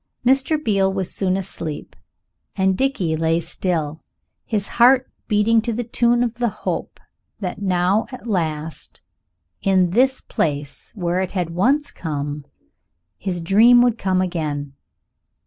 Mr. Beale was soon asleep and Dickie lay still, his heart beating to the tune of the hope that now at last, in this place where it had once come, his dream would come again.